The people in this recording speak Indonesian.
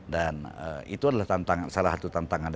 dan itu adalah salah satu tantangan